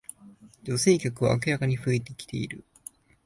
女性客は明らかに増えてきてる